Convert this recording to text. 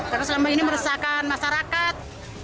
karena selama ini meresahkan masyarakat